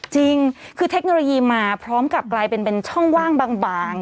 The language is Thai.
จริงคือเทคโนโลยีมาพร้อมกับกลายเป็นช่องว่างบาง